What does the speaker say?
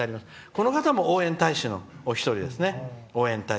この方も応援大使のお一人ですね。